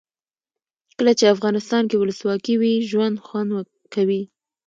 کله چې افغانستان کې ولسواکي وي ژوند خوند کوي.